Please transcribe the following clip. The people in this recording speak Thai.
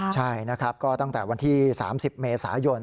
ใช่ตั้งแต่วันที่๓๐เมษายน